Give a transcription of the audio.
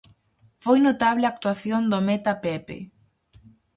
Foi notable a actuación do meta Pepe.